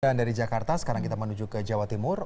dan dari jakarta sekarang kita menuju ke jawa timur